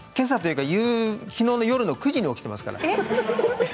けさというかきのうの夜９時に起きていますから。